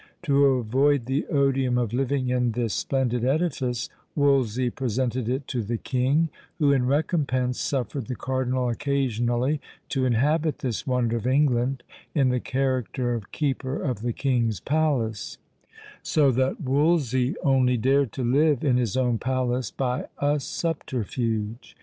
To avoid the odium of living in this splendid edifice, Wolsey presented it to the king, who, in recompense, suffered the Cardinal occasionally to inhabit this wonder of England, in the character of keeper of the king's palace; so that Wolsey only dared to live in his own palace by a subterfuge!